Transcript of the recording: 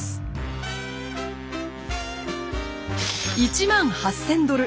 １万８，０００ドル